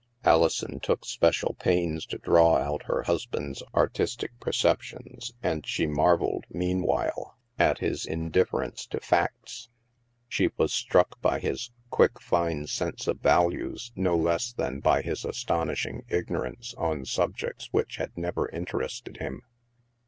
Alison took special pains to draw out her husband's artistic preceptions, and she marvelled, meanwhile, 244 THE MASK at his indiflference to facts; she was struck by his quick fine sense of values no less than by his aston ishing ignorance on subjects which had never inter ested him.